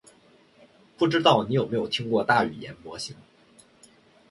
不知道你有没有听过大语言模型？